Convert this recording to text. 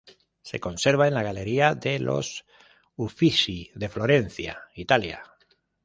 Se conserva en la Galería de los Uffizi de Florencia, Italia.